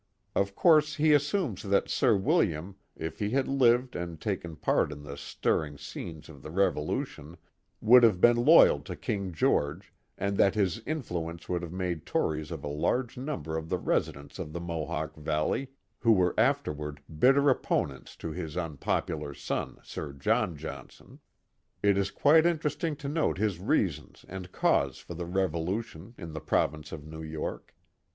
Of course he assumes that Sir William, if he had lived and taken part in the stirring scenes of the Revolution, would have been loyal to King George, and that his influence would have made Tories of a large number of the residents of the Mohawk Valley, who were afterward bitter opponents to his unpopular son, Sir John Johnson. Accounts of the Notorious Butler Family 229 It is quite interesting to note his reasons and cause for the Revolution, in the province of New York.